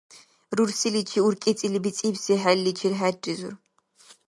Рурсиличи уркӀецӀили бицӀибси хӀерличил хӀерризур.